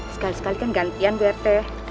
sekali sekali kan gantian bu rt